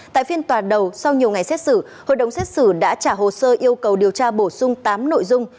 tại phiên tòa đầu sau nhiều ngày xét xử hội đồng xét xử đã trả hồ sơ yêu cầu điều tra bổ sung tám nội dung